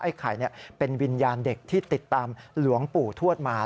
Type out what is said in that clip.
ไข่เป็นวิญญาณเด็กที่ติดตามหลวงปู่ทวดมา